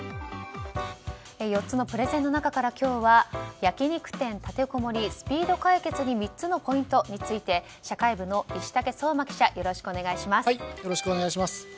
４つのプレゼンの中から今日は焼き肉店立てこもりスピード解決の３つのポイントについて社会部の石竹爽馬記者よろしくお願いします。